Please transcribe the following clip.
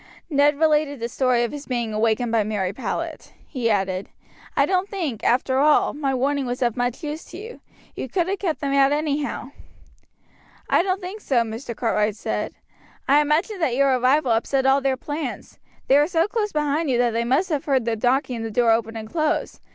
Ned related the story of his being awakened by Mary Powlett. He added, "I don't think, after all, my warning was of much use to you. You could have kept them out anyhow." "I don't think so," Mr. Cartwright said. "I imagine that your arrival upset all their plans; they were so close behind you that they must have heard the knocking and the door open and close.